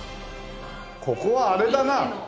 ここはあれだな。